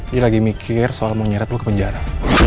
dia lagi mikir soal mau nyeret lo ke penjara